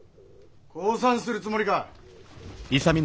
降参するつもりか？